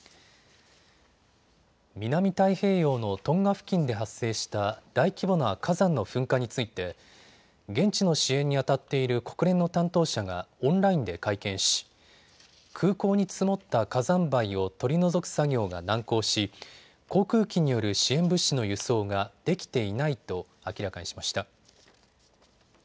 南太平洋のトンガ付近で発生した大規模な火山の噴火について現地の支援にあたっている国連の担当者がオンラインで会見し空港に積もった火山灰を取り除く作業が難航し航空機による支援物資の輸送ができていないと明らかにしました。